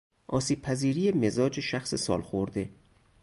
آسیبپذیری مزاج شخص سالخورده